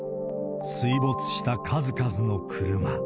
水没した数々の車。